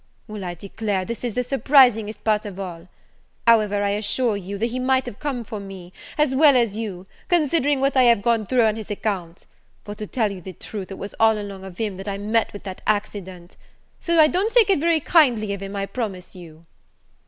well, I declare this is the surprisingest part of all: However, I assure you, I think he might have comed for me, as well as you, considering what I have gone through on his account; for, to tell you the truth, it was all along of him that I met with that accident; so I don't take it very kind of him, I promise you."